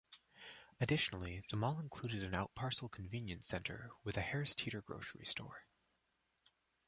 Additionally, the mall included an outparcel convenience center with a Harris Teeter grocery store.